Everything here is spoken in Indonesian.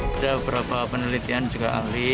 ada beberapa penelitian juga ahli